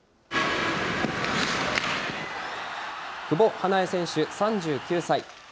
久保英恵選手３９歳。